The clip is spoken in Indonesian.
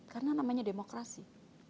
karena namanya demokrasi